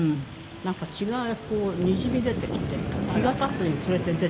なんか血がこうにじみ出てきて日が経つにつれて出てくるんですって。